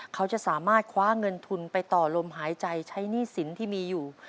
เขาจะสามารถคว้าเงินทุนไปต่อลมหายใจใช้หนี้สินที่มีอยู่